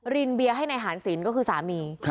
รินเบียร์ให้นายหารศิลปก็คือสามี